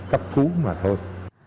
cấp cứu mà thôi